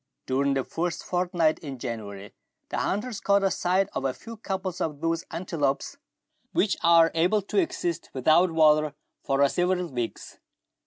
During the first fortnight in January the hunters caught sight of a few couples of those antelopes which are able to exist without water for several weeks.